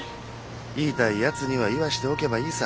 言いたいやつには言わしておけばいいさ。